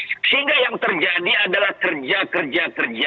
sehingga yang terjadi adalah kerja kerja kerja